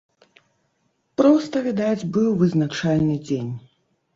Проста, відаць, быў вызначальны дзень.